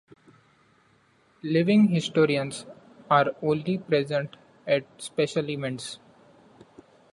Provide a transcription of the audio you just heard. Living Historians are only present at special events.